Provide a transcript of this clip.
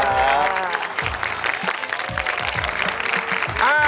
ขอบคุณครับ